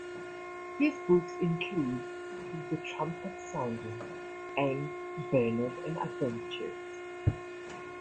His books include "Keep the Trumpets Sounding" and "Banners and Adventures".